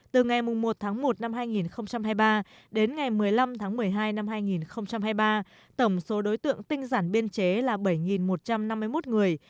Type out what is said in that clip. từ ngày một tháng một năm hai nghìn hai mươi ba đến ngày một mươi năm tháng một mươi hai năm hai nghìn hai mươi ba tổng số đối tượng tinh giản biên chế là bảy một trăm năm mươi một người